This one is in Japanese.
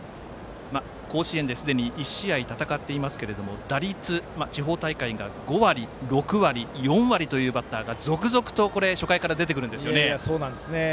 甲子園ですでに１試合戦っていますけど、打率地方大会が５割、６割、４割というバッターが続々と初回から出てくるんですよね。